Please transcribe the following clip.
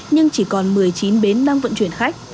nhưng chỉ còn một mươi chín bến đang vận chuyển khách